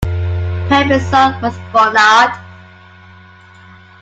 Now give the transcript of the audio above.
Pepin's son was Bernard.